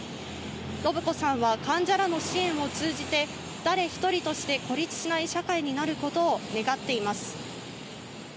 伸子さんは患者らの支援を通じて誰一人として孤立しない社会になることを願っています。